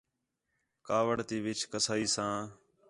کاوِڑ تی وِچ کَسائی ساں